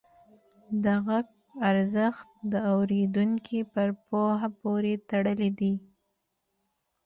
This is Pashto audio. د غږ ارزښت د اورېدونکي پر پوهه پورې تړلی دی.